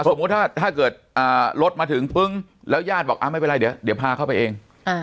สมมุติถ้าเกิดรถมาถึงปึ้งแล้วญาติบอกไม่เป็นไรเดี๋ยวพาเข้าไปเอง